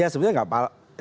ya sebenarnya enggak palsu